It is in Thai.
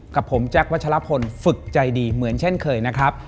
กับผมแจ๊ควัชลพลฝึกใจดีเหมือนเช่นเคยนะครับ